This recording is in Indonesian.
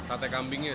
sate kambingnya sih